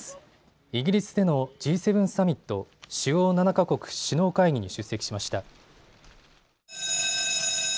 イギリスでのＧ７サミット・主要７か国首脳会議に出席しました。